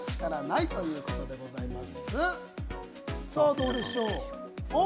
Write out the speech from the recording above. どうでしょう？